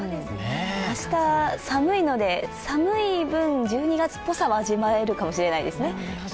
明日、寒いので、寒い分１２月っぽさは味わえるかもしれません。